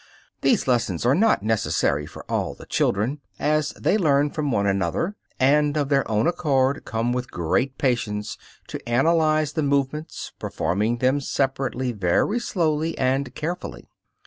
These lessons are not necessary for all the children, as they learn from one another, and of their own accord come with great patience to analyze the movements, performing them separately very slowly and carefully.